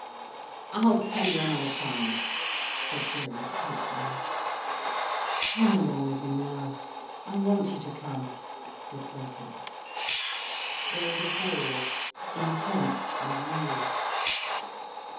"I'll tell you another time," said Gerald coaxingly. "Come along with me now—I want you to come," said Birkin. There was a pause, intense and real.